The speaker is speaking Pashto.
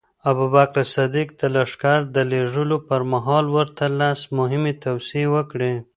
ابوبکر صدیق د لښکر د لېږلو پر مهال ورته لس مهمې توصیې وکړې.